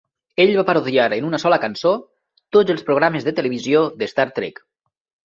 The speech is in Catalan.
Ell va parodiar, en una sola cançó, "tots" els programes de televisió d'Star Trek.